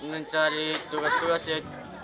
mencari tuas tuas ya